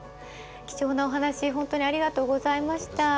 貴重なお話本当にありがとうございました。